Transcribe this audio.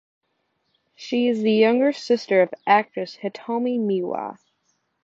She is the younger sister of actress Hitomi Miwa.